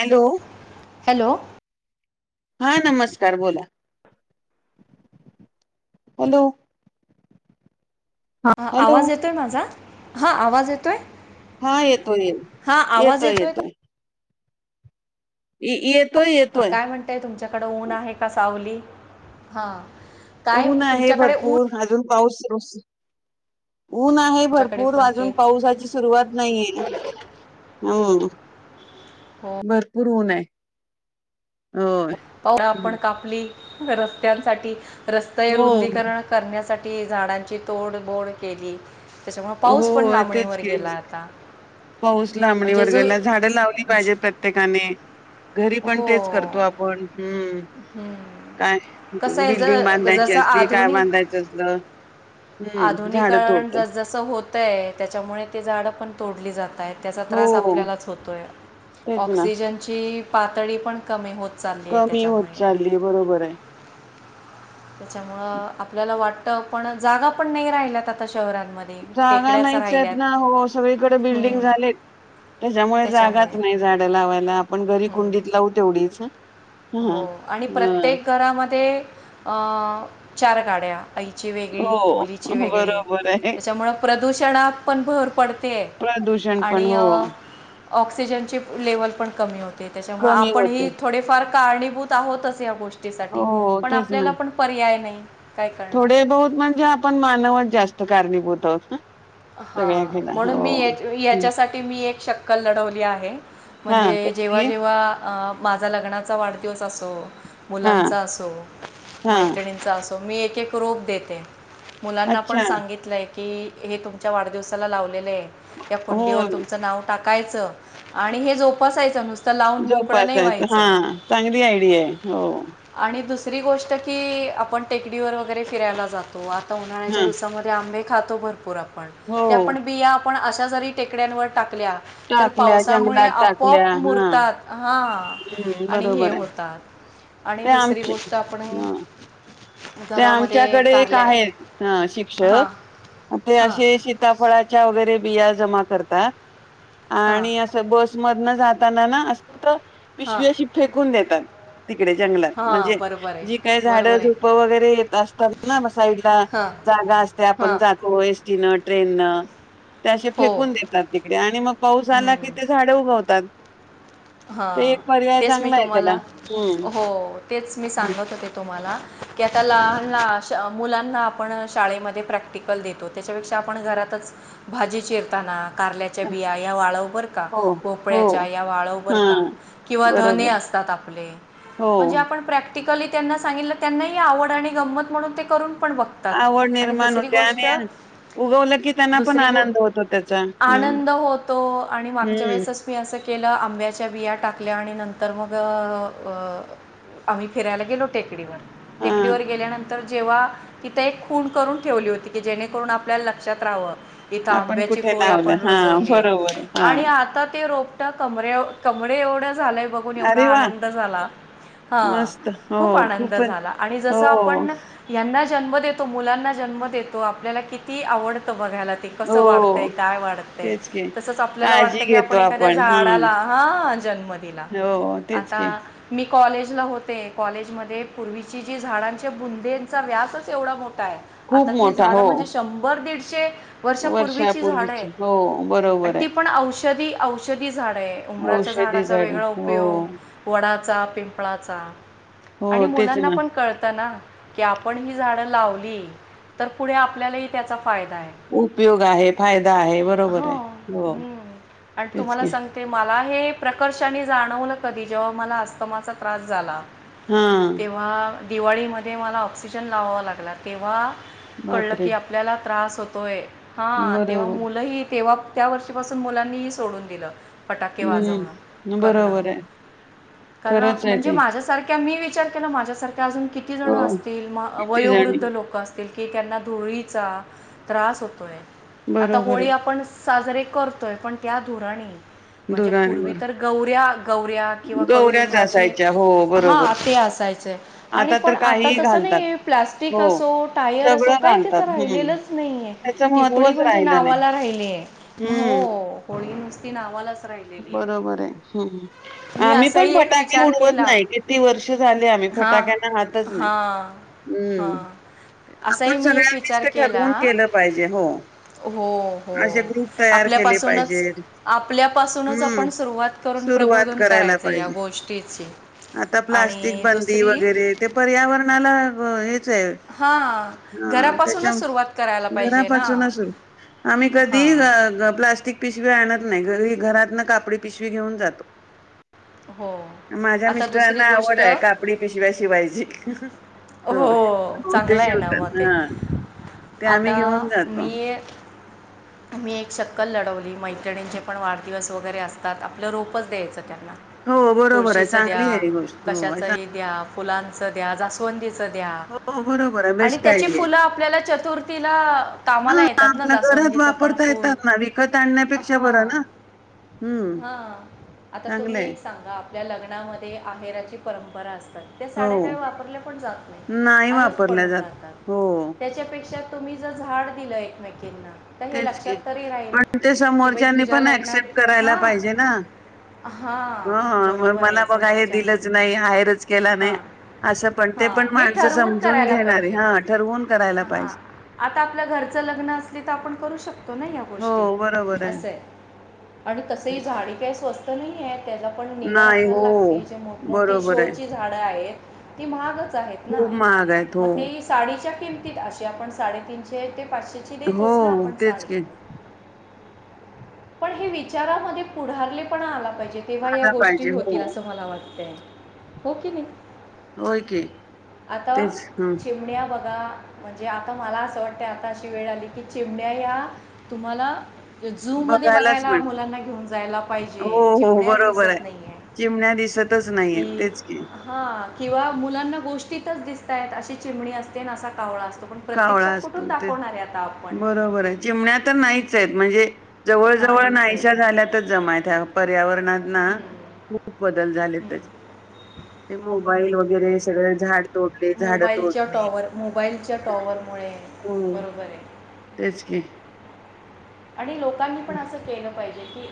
Hello. Hello. हा नमस्कार बोला. [inaudible] हॅलो. हॅलो आवाज येतोय माझा, हा आवाज येतोय? हा येतोय, हा आवाज येतोय येतोय. का येतोय येतोय काय म्हणतय तुमच्याकडें ऊन आहे का सावली. हां ऊन आहे भरपूर अजून पाऊस सुरू [unintelligible] ऊन आहे तुमच्याकडे भरपूर पण अजून तेच पावसाची सुरुवात नाहीये. हम हो भरपूर ऊन हे. [unintelligible] कापली रस्त्यांसाठी रस्ते हो रुंदीकरण करण्यासाठी. झाडांची तोडबोड केली त्याच्यामुळे हो पाऊस पण तेच लांबणीवर की गेला आता. पाऊस लांबणी म्हणजे वर जो गेला झाडं लावली पाहिजे प्रत्येकाने. घरी पण हो तेच करतो आपण- हम्म. काय कसं आहे बिल्डिंग ज बांधायची जसं असली, काय आधुनिक बांधायचं असल- हम्म झाडं आधुनिकरण तोडतो. जसजसं होत त्याच्यामुळे ते झाडं पण तोडली जातात. त्याचा त्रास हो आपल्याला होतो तेच ना ऑक्सिजनची पातळी पण कमी हो कमी होत चाललीय बरोबर आहे. त्याच्यामुळ आपल्याला वाटत पण जागा पण नाही राहिल्यात आता शहरां जागा नाहीच आहेत ना हो सगळीकडे बिल्डिंग झालेत- त्याच्यामुळे जागाच नाही झाडं लावायला आपण घरी कुंडीत लावू तेवढीच. हो आणि हा प्रत्येक घरामध्ये चार गाड्या- आईची वेगळी, हो मुलीची वेगळी, बरोबर आहे त्याच्यामुळ प्रदूषणात पण भर पडतेय- ट्यूशन पण हो- ऑक्सिजनची लेवल पण कमी होते, त्याच्यामुळं कमी होते आपणही थोडेफार- कारणीभूत आहोतच, या गोष्टीसाठी हो पण तेच ना आपल्याला पण पर्याय नाही- काय करणार थोडे बहुत म्हणजे आपण मानवात जास्त कारणीभूत आहोत. हा सगळ्या घ्याला म्हणून मी हो याच्यासाठी मी एक शक्कल लढवली आहे, हा म्हणजे- जेव्हा, कसली जेव्हा- माझा लग्नाचा वाढदिवस असो, हा मुलांचा असो, हा मैत्रिणींचा असो- स मी एक एक रोप देते मुलांना पण अच्छा सांगितलंय की हे तुम- वाढदिवसाला लावले त्या हो कुंडीवर तुमच नाव टा- टाकायचं आणि हे जोपासायचं नुसत- झोपासायच, [unintelligible] हा चांगली आयडीया आहे हो- आणि दुसरी गोष्ट की आपण टेकडीवर वगैरे फिरायला जातो आ- उन्हाळ्याच्या हा दिवसामध्ये आंबे खातो भरपूर आपण ते हो. आपण बिया- आपण अशा जरी टेकड्यांवर टाकल्या तर टाकल्या पावसामुळे जंगलात टाकल्या. आपोआप हां. मुरतात हां- हं. आणि हे बरोबर आहे. होतात आणि ते दुसरी आमचे गोष्ट आपण- हं. ते घरामध्ये आमच्याकडे एक कारल्या आहेत, अ हां शिक्षक- ते हां असे शीताफळाच्या वगैरे बिया जमा- करत हां आणि अस बसमधन जाताना ना अस- हां पिशवी अशी फेकून देतात, तिकडे जंगलात हां म्हणजे बरोबर आहे जी काय झाडं बरोबर आहे झ- वगैरे येत असताना साइडला हां जागा असते, हां आपण जातो एसटी न ट्रेन नं- त्याे फेकून देतात तिकडे आणि मग पाऊस आला की ते झाडं उगवतात. हा ते एक पर्याय तेच मी चांगला आहे त्याला तुम्हाला हम्म हो तेच मी सांगत होते,, तुम्हाला- की आता लहान मुलांना आपण शाळेमध्ये प्रॅक्टिकल देतो, त्याच्यापेक्षा आपण घरात- भाजी चिरताना कारल्याच्या बिया या वाळव बर का? हो हो भोपळ्याच्या या वाळ- हा बरं का? किंवा धने बरोबर असतात आपले हो म्हणजे आप प्रॅक्टिकली त्यांना सांगितलं, त्यांनाही आवड आणि गंमत म्हणून ते करून- पण बघतात आवड आणि निर्माण दुसरी होते गोष्ट- आणि उगवलं की त्यांना पण दुसरी ग आनंद होतो त्याचा हम्म आनंद होतो आणि मागच्या हम्म वेळेसच मी असं- के आंब्या- च्या बिया टाकल्या आणि नंतर मग आम्ही फिरायला गेलो टेकडीवर- हा टेकडीवर गेल्यानंतर- तर जेव्हा तिथ एक खून करून ठेवली होती की जेणेकरून आपल्याला लक्षात राहावं- इथं आपण आंब्याची कुठे खोय लावलं आपण हा रुजवलीय बरोबर हा आणि आता ते रोप - ट कमरे कमरे एवढं झालंय बघून एवढा अरे वा आनंद झाला- हा मस्त हो खूप आनंद खूपच झाला आणि हो जस आपण यांना- जन्म देतो, मुलांना जन्म देतो, आपल्याला किती आवडत- बघायला, त हो कसं वाढतंय, काय वाढतंय, तेच की तसंच आपल्याला काळजी वाटतं की घेतो आपण एखाद्या हा झाडाला- हा जन्म दिला हो तेच आता की मी कॉलेज ला होते कॉलेजमध्येध्ये पूर्वीची जी झाडांच्या बुंदेंचा व्यासच एवढा मोठा काय खूप आता ती मोठा झाडं हो म्हणजे शंभर दीडशे - - वर्षापूर्वीची झाड आहे हो आणि बरोबर आहे ती पण औषधी औषधी झाड आहे. उमरा्याच्या औषधी झाडाचा झाड वेगळा उपयोग. हो वडाचा - - पिंपळाचा हो आणि तेच मुलांना ना पण कळतं ना. की आपण ही झाडं लावली तर, पुढे आपल्यालाही त्याचा फायदा आहे. उपयोग आहे फायदा आहे बरोबर हो, आहे हो हम्म. आणि तेच तुम्हाला की सांगते म ला हे प्रकर्षाने जाणवलं कधी जेव्हा, मला अस्तमाचा त्रास झाला. हा तेव्हा दिवाळीमध्ये मला ऑक्सिजन लावावा लागला तेव्हा - - कळलं बापरे की आपल्याला त्रास होतोय हा तेव्हा बरोबर मुलं ही तेव्हा त्या वर्षीपासून मुलांनीही सोडून दिलं. फटाके वाजवणं हम्म करणं बरोबर आहे कारण खरंच आहे म्हणजे ते माझ्यासारख्या मी वि - - विचार केला माझ्यासारख्या अजून किती जण हो असतील किती जणी वयोवृद्ध लोक असतील. की त्यांना धुळीचा त्रास होतोय. आता बरोबर होळी आहे आपण साजरे करतोय. पण त्या धुराणी म्हणजे पूर्वी दुराणीवर तर गौऱ्या गवऱ्या किंवा गौऱ्याच कडुलिंबाची असायच्या हो हा बरोबर ते अस - - सायचं आणि पण तर आता काहीही तस घालतात नाही प्लास्टिक हो असो, टायर असो सगळं काय त्या घालतात हम्म राहिलच - - नाही त्याचं ती होळी महत्त्वच म्हणजे राहिलं नाही नावाला राहिली. हो. हम्म होळी नुसती नावाला बरोबर हाय. मी आम्ही पण असाही एक फटाके विचार उडवत केला नाही. किती वर्ष झाले आम् मी फटाक्यांना हातच नाही. हा. हम्म आपण असाही मी एक सगळ्यांनीच विचार ते केला. ठरवून केलं पाहिजे हो हो, हो. असे ग्रुप तयार केले आपल्यापासूनच पाहिजेत आपल्याप सूनच हम्म आपण सुरुवात करून सुरुवात प्रबोधून करायला करायचं या पाहिजे गोष्टीची. आता प्लास्टिक आणि बंदी दुसरी वगैरे ते पर्यावरणाला हेच आहे हां हा त्याच्या घरापासूनच सुरुवात करायला पाहिजे ना घरापासून अस आम्ही कधी हां प्लॉस्टिक पिशवी आणत नाही घरी घरात न कापडी पिशवी घेऊन जातो. हो माझ्या आता दुसरी मिस्टरांना आवड गोष्ट हाय कापडी पिशव्या शिवायची. हो. हो ते चांगला हाय ना शिवतात मग ते. हा ते आम्ही आता घेऊन जातो मी मी एक शक्कल लढवली. मैत्रणींचे पण वाढदिवस वगैरे असतात. आपलं रोपच द्यायचं त्या - - हो बरोबर आहे तुळशीच चांगली द्या. आहे ही गोष्ट हो कशाचही द्या. फुलांच द्या. जास्वंदी च द्या हो बरोबर आहे आणि बेस्ट त्याची आयडिया आहे. फुलं आपल्याला चतुर्थीला कामाला येतात ना. जास्वं - - रोज वापरता येतात ना. विकत आणण्यापेक्षा बर ना. हम्म हा. आता तुम्ही चांगलंय. एक सांगा. या लग्नामध्ये आहेराची परंपरा असतात त्या हो साड्या काय वापरल्या जात नाही असच वापरल्या पडुन जात. राहतात हो त्याच्यापेक्षा - - तुम्ही ज झाड दिलं एकमेकींना. तर हे तेच की लक्षात तरी राहील पण ते की बाई समोरच्यानी तुझ्या पण ऍक्सेप्ट लग्नात करायला हां पाहिजे ना. हां ह मग बरोबर मला आहे बघा हे दिलंच समोरच्यांनी नाही. आहेर केला नाही. असं पण ह ते पण हे माणसं ठरवून समजून करायला घेणारी पाहिजे. हा ठरवून करायला हं. पाहिजे. आता आपल्या घरच लग्न अस आपण करू शकतो ना. या हो गोष्टी बरोबर आहे. असं आणि तस झाडे स्व स्त नाही यं त्याला पण निगा नाही राखायला हो लागती जे मोठमोठी बरोबर आहे. शोची झाडं आहेत. ती महागच आहेत ना. खूप महाग आहेत हो. मग ते साडीच्या किम - - ती अशी आपण साडेतीनशे ते पाचशेची देतोच ना हो आपण तेच साडी. की पण हे विचारामध्ये पुढारले पण आला पाहिजे, तेव्हा या आला गोष्टी पाहिजे होतील हो. असं मला वाटतय. हो की नाही. होय की आता तेच ह चिमण्या बघा. म्हणजे आता मला असं वाटत. आता अशी वेळ आली की चेमन्या या तुम्हाला जू मध्ये बघायलाच बघायला मिळ मुलांना घेऊन जायला हो पाहिजे. हो चिमण्यास बरोबर आहे दिसत नाहीयं. चिमण्या दिसतच नाहीय तेच की हां किंवा मुलांना गोष्टीतच दिसताय अशी चिमणी असते असा कावळा अस कावळा असतो ते बरोबर आहे चिमण्या तर नाहीच आहेत म्हणजे जवळ जवळ नाहीच आहे नाहीशा झाल्यात जमा पर्यावरण हम्म, खूप बद झाले हम्म. त्या मोबाईल वगरे सग झा मोबाईलच्या टॉवर मोबाईलच्या टॉवरमुळे हो बरोबर आहे तेच क आणि लोकांनी पण असं केलं पाहिजे की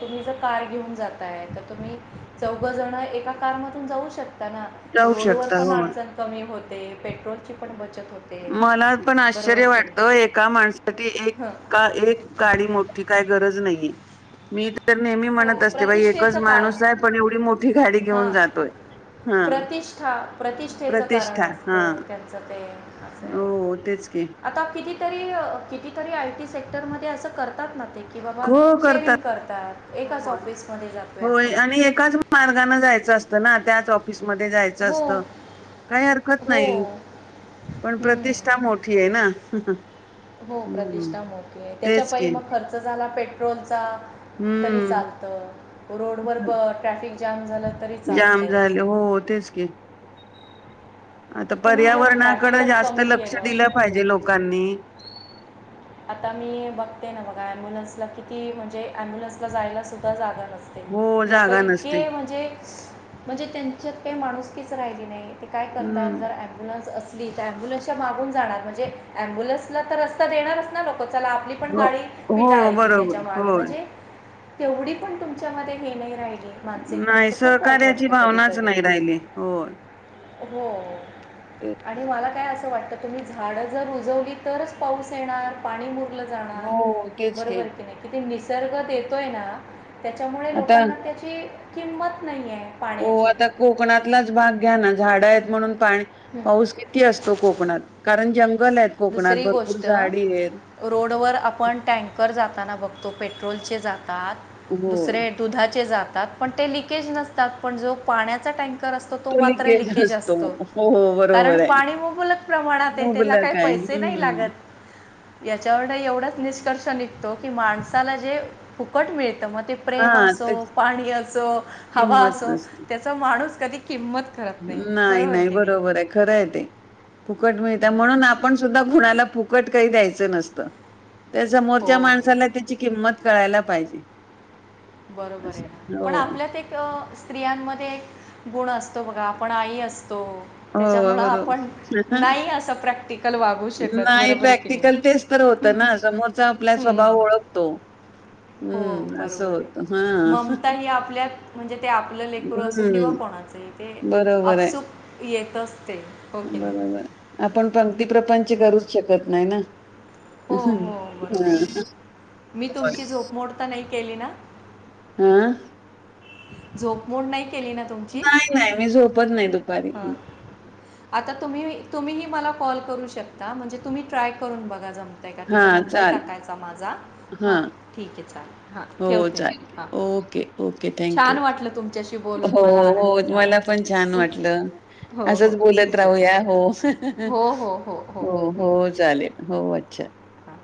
तुम्ही जर कार घेऊन जात आहे तर तुम्ही चौघजण एका कारमधून जाऊ शकता ना जाऊ रोडवरर शकता पण हो अडचण कमी होते पेट्रोलची पण बचत होते. मला पण बरोबर आश्चर्य की वाटत नाही? एका माणसासाठी हं. एक एक गाडी मोठी काय गरज नाहीे मी तर नेहमी हो. म्हणत असते बा एकच प्रतिष्ठेचं कारण. माणूसला आहे पण एवढी मोठी गाडी घेऊन हां. जातोय हा प्रतिष्ठा प्रतिष्ठेचं कारण प्रतिष्ठा हा असतं त्यांचं ते हो आहे. तेच की आता कितीतरी कितीतरी आय टी सेक्टरमध्ये असं करतात ना ते की बाबा चेअरिंग करतात एकाच हो ऑफिसमध्ये जातोय होय आपण. आणि एकाच मार्गाने जायचं असतं ना त्याच ऑफिस जाच हो. असत काही हरकत हो. नाही पण हं. प्रतिष्ठा मोठी आहे ना हो प्रतिष्ठाक हम्म मोठीये त्याच्या तेच प की मग खर्च झाला पेट्रोल तरी हम्म चालत रोडवर ट्राफिक जाम तरी जाम चालतं झाले हो तेच ग आता तुम्ही जर पर्यावरणाकडे ट्रॅफिकच जास्त कमी लक्ष केलं दिलं पाहिजे लोकांनी आता मी बघते ना बघा अमब्युलन्सला किती म्हणजे अम्ब्युलन्सला जायला सुद्धा जागा हो लोक जागा नसते इतके म्हणजे म्हणजे त्यांच्यात काही माणूसकीीच राहिली नाही ते काय करतात हम्म जर अमब्युलन्स अस अबुलनसच्या मागून जाणार म्हणजे अबुलन्सला तर रस्ता देणारच ना ल चला आपली पण हो गाडी हो पिटाळायची त्याच्या मागे बरोबर हो म्हणजे तेवढी पण तुमच्यामध्ये हे नाही राहील नाही सहकार्याची भावनाच कधी नाही राहिली हो हो आणि मला काय असं वाट आता तुम्ही झाडं जर उजवली तरच पाऊस येणार पाणी मुर जाणार हो तेच बरोबर की नाही किती निसर्ग येतोय ना त्याच्यामुळे आता लोकांना त्याची किंमत नाहीय हो आता कोकणातलाच भाग घ्या ना झाडं आहेत म्हणून पा पाऊस किती असतो कोकणात कारण आहेत कोकणात दुसरी भरपूर गोष्ट झाडी आहेत. रोडवर आपण टँकर जात जाताना बघतो पेट्रोलचे जातात हो दुसरे दुधाचे जातात पण ते लकेज नसतात पण जो पाण्याचा टँ तो्र तो मात्र लिकेज असतो हो हो कारण बरोबर आहे. पाणी मुबलक प्रमाणात हे त्याला काही मुबलक आहे पैसे नाही हम्म लागत याच्यावर एवढाच निष्कर्ष निघतो की माणसाला जे फुकट मिळतं म ते हा प्रेम असो त्याची पाणी असो हवा किंमत असो नसते. त्याचा माणूस कधी किंमत करत नाही बरोबर नाही की बरोबर आहे खरंय ते फुकट मिळत हम्म. म्हणून आपण सुद्धा ु फु का द्यायच नत त्या सो हो माणला त्या क कळायला पाहिजे बरोबर आहे असं पण हो आपल्यात एक स्त्रियांमध्ये एक गुण असतो तो बघा आपण आई अस तो हो त्याच्यामुळ आपण बरोबर नाही असं प्रॅक्टिकल वागू शकत नाही बरोबर कि नाही प्रॅक्टिकल तेच तर होत ना, समोरचा आपला स्वभाव हम्म. ओळखतो, हो असं बरोबर होत. हा ममता ही आपल्या म्हणजे ते आपलं लेकरू असो किंवा हम्म कोणाचं ते बरोबर आहे. अपसूक येत असते हो की नाही? बरोबर आपण पंक्ती प्रपंच हं. करूच शकत नाही ना. हो, हो, बरोबर मी तुमची झोपमोड तर नाही केली ना? आा..? झोप मोड नाही- केली नाही, नाही मी झोपत नाही दू हा आता त तुम्ही तुम्ही मला कॉल करू शकता म्हणजे तुम्ही ट्राय करून बघा जम त्या का हा तिथं नंबर चालेल टाकायचा माझा हा हां ठीक आहे चालेल. हां हो, ठेवते मी चालेल हां ओके, ओके थँक यू. छान वाटलं तुमच्याशी बोलून हो मला हो आनंद झाला मला पण छान हं. वाटलं हो हो असच बोलत ठीक आहे राहूया चालेल हो. हो, हो, हो, हं. हो, चालेल हो अच्छा. हां.